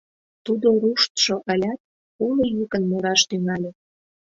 Тудо руштшо ылят, уло йӱкын мураш тӱҥале: